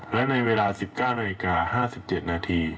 และในเวลา๑๙นาฬิกา๕๗นาที